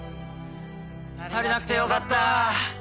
たりなくてよかった。